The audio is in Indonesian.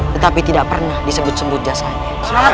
tetapi tidak pernah disebut sebut jasanya